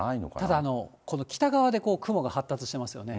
ただ、この北側で雲が発達してますよね。